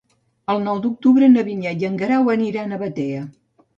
El nou d'octubre na Vinyet i en Guerau aniran a Batea.